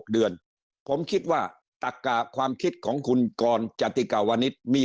เดือนผมคิดว่าตักกะความคิดของคุณกรจติกาวนิษฐ์มี